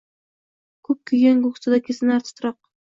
Ko’p kuygan ko’ksida kezinar titroq